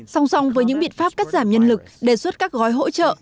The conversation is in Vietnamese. song song với những biện pháp cắt giảm nhân lực đề xuất các gói hỗ trợ